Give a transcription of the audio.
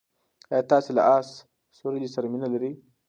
ایا تاسې له اس سورلۍ سره مینه لرئ؟